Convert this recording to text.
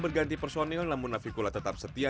berganti personil namun navikula tetap setia